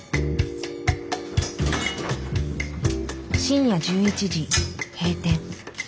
深夜１１時閉店。